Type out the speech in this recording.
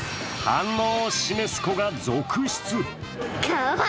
反応を示す子が続出。